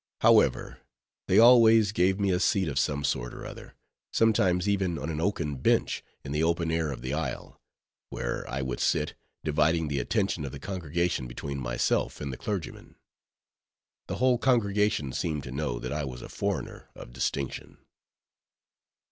However, they always gave me a seat of some sort or other; sometimes even on an oaken bench in the open air of the aisle, where I would sit, dividing the attention of the congregation between myself and the clergyman. The whole congregation seemed to know that I was a foreigner of distinction.